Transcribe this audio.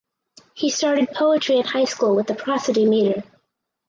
He started poetry in high school with the prosody meter.